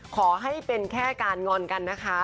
ขอให้เป็นแค่การงอนกันนะคะ